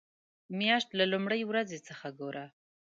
مياشت له لومړۍ ورځې څخه ګوره.